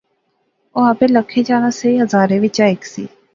او آپے لکھیں چا نہ سہی ہزاریں وچا ہیک سی